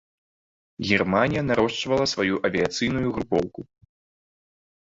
Германія нарошчвала сваю авіяцыйную групоўку.